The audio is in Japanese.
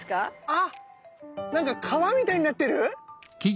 あっなんか川みたいになってる？